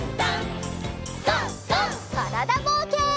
からだぼうけん。